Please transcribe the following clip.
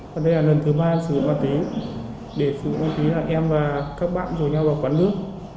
và đây là lần thứ ba sử dụng ma túy để sử dụng ma túy là em và các bạn rủ nhau vào quán nước